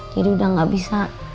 jadi udah gak bisa